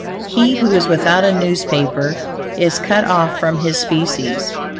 He who is without a newspaper is cut off from his species.